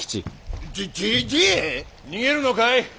逃げるのかい？